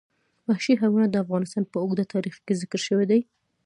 وحشي حیوانات د افغانستان په اوږده تاریخ کې ذکر شوی دی.